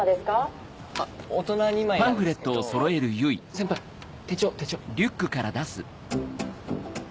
先輩手帳手帳。